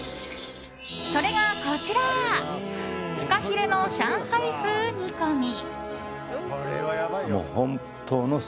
それがこちらフカヒレの上海風煮込み。